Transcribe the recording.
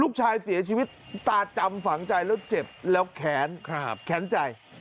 ลูกชายเสียชีวิตตาจำฝังใจแล้วเจ็บแล้วแค้นแค้นใจ